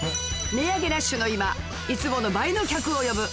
値上げラッシュの今いつもの倍の客を呼ぶ